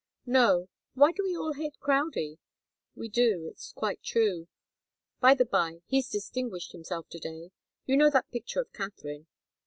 "No. Why do we all hate Crowdie? We do it's quite true. By the bye, he's distinguished himself to day. You know that picture of Katharine?"